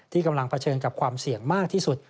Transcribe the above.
กำลังเผชิญกับความเสี่ยงมากที่สุด